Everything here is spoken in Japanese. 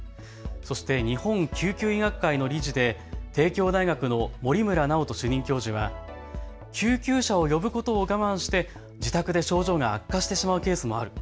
日本救急医学会の理事で帝京大学の森村尚登主任教授は救急車を呼ぶことを我慢して自宅で症状が悪化してしまうケースもある。